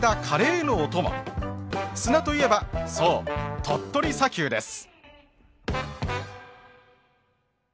砂といえばそう鳥取砂丘です。